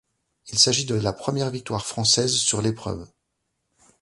Il s'agit de la première victoire française sur l'épreuve.